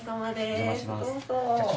どうぞ。